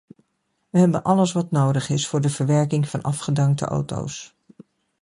We hebben alles wat nodig is voor de verwerking van afgedankte auto's.